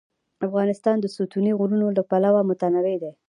افغانستان د ستوني غرونه له پلوه متنوع دی.